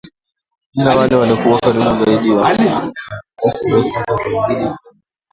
ila wale walokuwa karibu zaidi na rais Dos Santos walizidi kutajirika